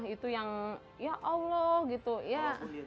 itu yang ya allah gitu ya